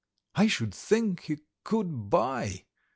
"I should think he could buy!"